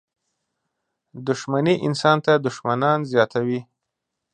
• دښمني انسان ته دښمنان زیاتوي.